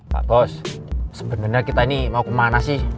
pak tos sebenarnya kita ini mau kemana sih